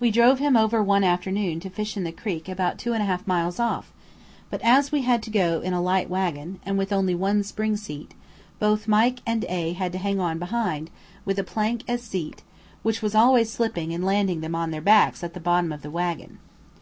We drove him over one afternoon to fish in the creek about two and a half miles off; but as we had to go in a light waggon, and with only one spring seat, both Mike and A had to hang on behind, with a plank as seat, which was always slipping and landing them on their backs at the bottom of the waggon.